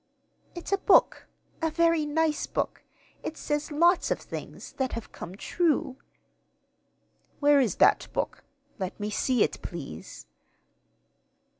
"It's a book; a very nice book. It says lots of things that have come true." "Where is that book? Let me see it, please."